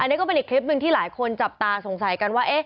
อันนี้ก็เป็นอีกคลิปหนึ่งที่หลายคนจับตาสงสัยกันว่า